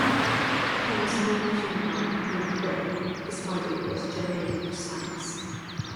There was no funeral and no grave, his body was donated to science.